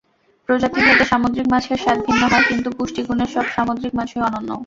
প্রজাতি ভেদে সামুদ্রিক মাছের স্বাদ ভিন্ন হয় কিন্তু পুষ্টিগুণে সব সামুদ্রিক মাছই অনন্য।